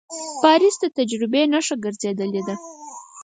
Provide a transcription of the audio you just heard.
پاریس د تجربې نښه ګرځېدلې ده.